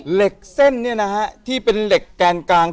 เหล็กเส้นเนี่ยนะฮะที่เป็นเหล็กแกนกลาง